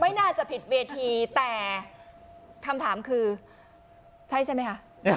ไม่น่าจะผิดเวทีแต่คำถามคือใช่ใช่ไหมคะ